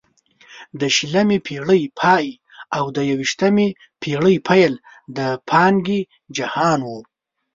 د شلمې پېړۍ پای او د یوویشتمې پېړۍ پیل د پانګې جهان وو.